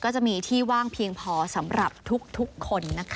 ก็จะมีที่ว่างเพียงพอสำหรับทุกคนนะคะ